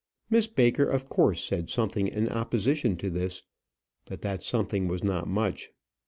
Miss Baker of course said something in opposition to this, but that something was not much.